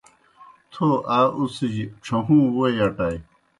تھو آ اُڅِھجیْ ڇھہُوں ووئی اٹائے۔